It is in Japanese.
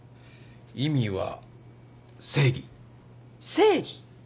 意味は「正義」正義。